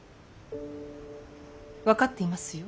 分かっていますよ。